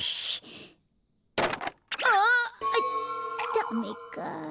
ダメか。